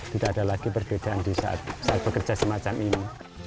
tidak ada lagi perbedaan di saat bekerja semacam ini